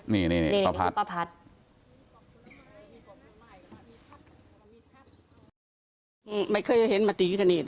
นี่นี่พระพัทธ์